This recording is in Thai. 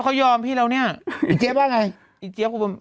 เขายอมพี่แล้วเนี่ย